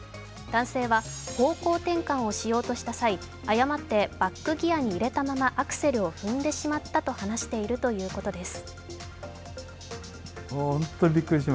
男性は方向転換をしようとした際、誤ってバックギアに入れたままアクセルを踏んでしまったと話しているということです。